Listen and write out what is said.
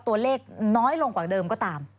ตัวเลขน้อยลงกว่าเดิมก็ตาม